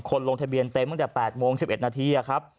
ลงทะเบียนเต็มตั้งแต่๘โมง๑๑นาทีครับ